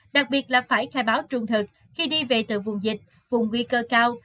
đặc biệt là phải khai báo trung thực khi đi về từ vùng dịch vùng nguy cơ cao